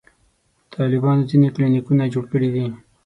طالبانو ځینې کلینیکونه جوړ کړي دي.